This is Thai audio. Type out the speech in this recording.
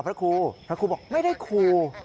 พระครูบอกไม่ได้ขู่